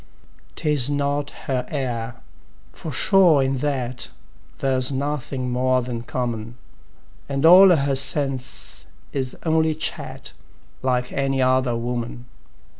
'Tis not her air, for sure in that There's nothing more than common; And all her sense is only chat Like any other woman.